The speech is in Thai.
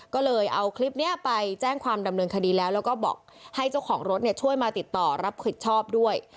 ก็เลยเอาคลิปนี้ไปแจ้งความดำเนินคดีแล้วแล้วก็บอกให้เจ้าของรถช่วยมาติดต่อรับผิดชอบด้วย